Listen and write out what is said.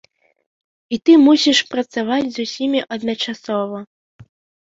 І ты мусіш працаваць з усімі адначасова.